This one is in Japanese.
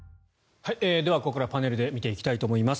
ここからパネルで見ていきたいと思います。